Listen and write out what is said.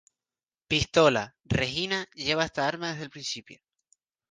Pistola: Regina lleva esta arma desde el principio.